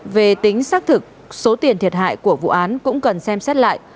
về tính xác thực số tiền thiệt hại của vụ án cũng cần xem xét lại